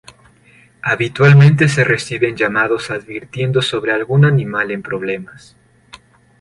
Habitualmente se reciben llamados advirtiendo sobre algún animal en problemas.